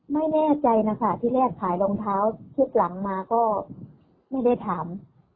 ไม่แน่ใจนะคะที่แรกขายรองเท้าชุดหลังมาก็ไม่ได้ถาม